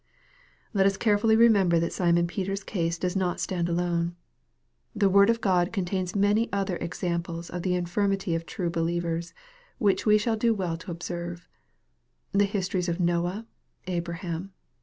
Let us carefully remember that Simon Peter's case does not stand alone. The word of God contains many other examples of the infirmity of true believers, which we shall do well to observe. The histories of Noah, Abraham.